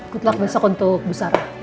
good luck besok untuk bu sarah